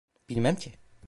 Bilmem ki.